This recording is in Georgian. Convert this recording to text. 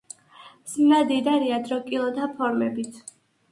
ზმნა მდიდარია დრო-კილოთა ფორმებით.